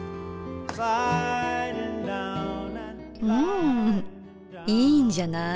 んいいんじゃない？